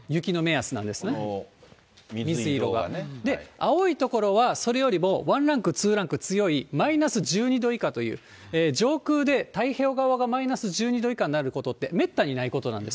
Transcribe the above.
青い所はそれよりもワンランク、ツーランク強い、マイナス１２度以下という、上空で太平洋側がマイナス１２度以下になることって、めったにないことなんです。